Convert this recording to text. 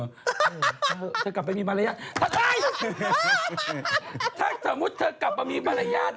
ถ้าเธอกลับไม่มีมารยาทถ้าสมมติเธอกลับไม่มีมารยาท